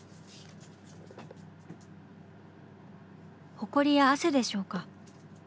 ホコリや汗でしょうか？